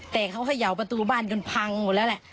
แต่เขาเขย่าประตูบ้านจนพังหมดแล้วแหละ